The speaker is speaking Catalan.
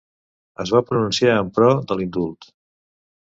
Es va pronunciar en pro de l'indult.